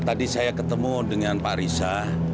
tadi saya ketemu dengan pak risa